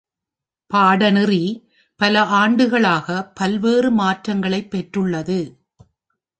பாடநெறி பல ஆண்டுகளாக பல்வேறு மாற்றங்களை பெற்றுள்ளது.